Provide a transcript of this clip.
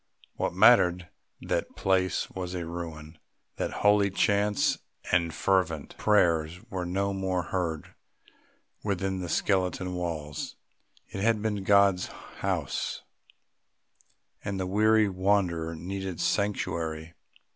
What mattered that the place was a ruin, that holy chants and fervent prayers were no more heard within the skeleton walls! It had been God's house, and the weary wanderer needed sanctuary.